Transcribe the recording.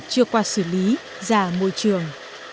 chưa qua xử lý ra môi trường